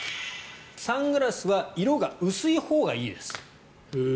サングラスは色が薄いほうがいいです。